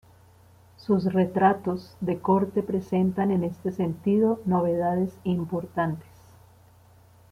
Sus retratos de corte presentan en este sentido novedades importantes.